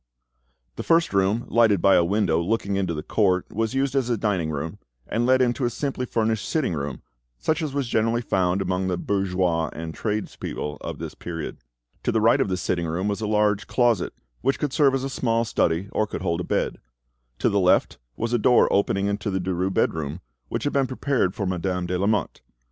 The first room, lighted by a window looking into the court, was used as a dining room, and led into a simply furnished sitting room, such as was generally found among the bourgeois and tradespeople of this period. To the right of the sitting room was a large closet, which could serve as a small study or could hold a bed; to the left was a door opening into the Derues' bedroom, which had been prepared for Madame de Lamotte.